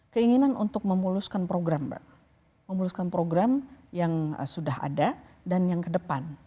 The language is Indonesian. keinginan untuk memuluskan program mbak memuluskan program yang sudah ada dan yang ke depan